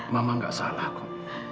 mama gak salah kong